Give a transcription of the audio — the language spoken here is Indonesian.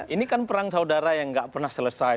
ini kan perang saudara yang nggak pernah selesai